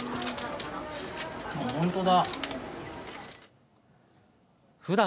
本当だ。